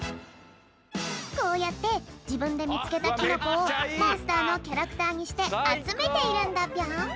こうやってじぶんでみつけたキノコをモンスターのキャラクターにしてあつめているんだぴょん。